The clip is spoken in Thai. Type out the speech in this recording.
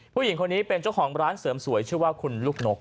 ผู้หญิงคนนี้เป็นเจ้าของร้านเสริมสวยชื่อว่าคุณลูกนก